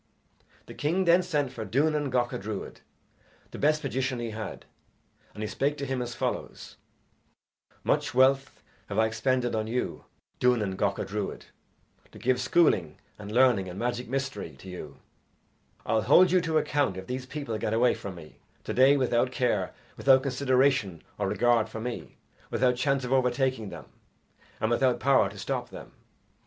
The king then sent for Duanan Gacha Druid, the best magician he had, and he spake to him as follows: "Much wealth have I expended on you, Duanan Gacha Druid, to give schooling and learning and magic mystery to you, I'll hold you to account if these people get away from me to day without care, without consideration or regard for me, without chance of overtaking them, and without power to stop them."